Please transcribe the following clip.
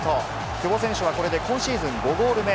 久保選手はこれで今シーズン５ゴール目。